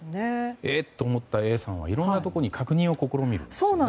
え？と思ったＡさんはいろんなところに確認を試みるんですね。